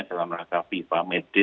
dalam rangka fifa may day